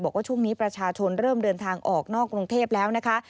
บอกว่าช่วงนี้ประชาชนเริ่มเดินทางออกนอกกรุงเทพแล้วนะคะ